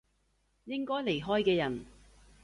應該離開嘅人